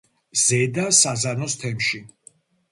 ზედა საზანოს თემში.